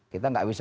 kita tidak bisa